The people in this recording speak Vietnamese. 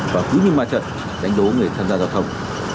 và cứ như ma trận đánh đố người tham gia giao thông